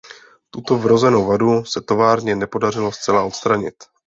Tuto vrozenou vadu se továrně nepodařilo zcela odstranit.